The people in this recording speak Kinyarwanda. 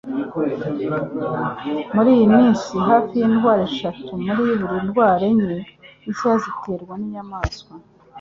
Muri iyi minsi hafi indwara eshatu muri buri ndwara enye nshya ziterwa n'inyamaswa.